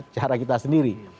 cara kita sendiri